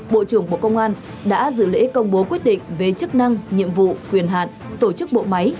bộ trưởng bộ công an đã dự lễ công bố quyết định về chức năng nhiệm vụ quyền hạn tổ chức bộ máy